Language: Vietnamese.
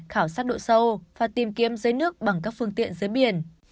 khảo sát độ sâu và tìm kiếm dưới nước bằng các phương tiện dưới biển